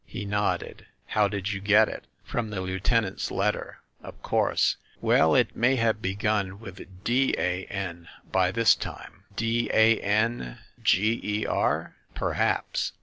He nodded. "How did you get it?" "From the lieutenant's letter." "Of course. Well, it may have begun with 'D a n* by this time." "D a n g e r?" "Perhaps.